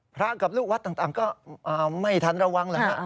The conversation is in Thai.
พระกับลูกวัดต่างก็ไม่ทันระวังแล้วฮะ